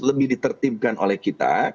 lebih ditertibkan oleh kita